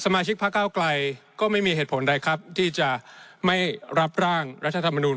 มาชิกพระเก้าไกลก็ไม่มีเหตุผลใดครับที่จะไม่รับร่างรัฐธรรมนูล